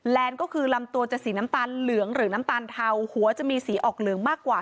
ก็คือลำตัวจะสีน้ำตาลเหลืองหรือน้ำตาลเทาหัวจะมีสีออกเหลืองมากกว่า